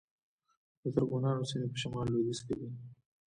د ترکمنانو سیمې په شمال لویدیځ کې دي